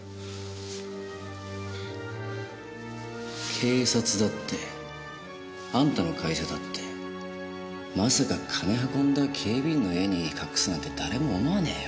警察だってあんたの会社だってまさか金運んだ警備員の家に隠すなんて誰も思わねえよ。